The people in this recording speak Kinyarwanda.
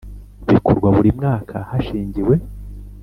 Bikorwa buri mwaka hashingiwe